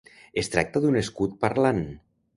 Es tracta d'un escut parlant.